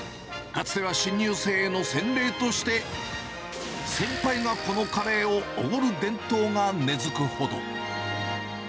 かつては新入生への洗礼として、先輩がこのカレーをおごる伝統が根づくほど。